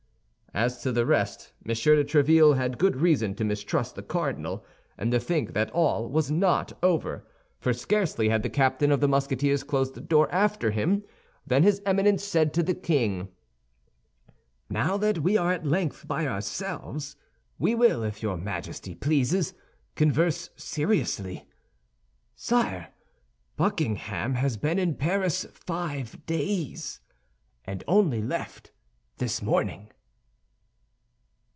As to the rest, M. de Tréville had good reason to mistrust the cardinal and to think that all was not over, for scarcely had the captain of the Musketeers closed the door after him, than his Eminence said to the king, "Now that we are at length by ourselves, we will, if your Majesty pleases, converse seriously. Sire, Buckingham has been in Paris five days, and only left this morning."